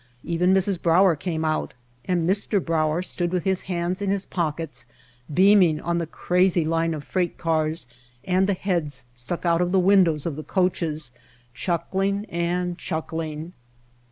Even Mrs. Brauer came out, and Mr. Brauer stood with his hands in his pockets, beaming on the crazy line of freight cars and the heads stuck out of the windows of the coaches, chuckling and chuckling.